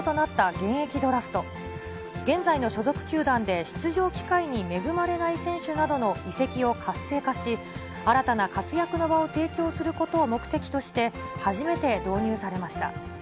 現在の所属球団で出場機会に恵まれない選手などの移籍を活性化し、新たな活躍の場を提供することを目的として、初めて導入されました。